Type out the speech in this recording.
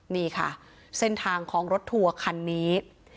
นี่ค่ะเส้นทางของรถทัวร์คันนี้